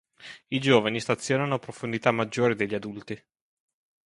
I giovani stazionano a profondità maggiori degli adulti.